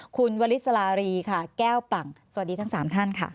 คุณวลิสลารีค่ะแก้วปลั่งสวัสดีทั้ง๓ท่านค่ะ